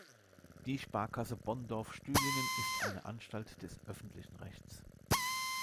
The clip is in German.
Die Sparkasse Bonndorf-Stühlingen ist eine Anstalt des öffentlichen Rechts.